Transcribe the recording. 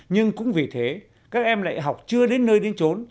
nhưng cũng vì thế các em lại học chưa đến nơi đến trốn